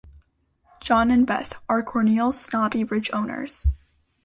John and Beth : are Corneil's snobby rich owners.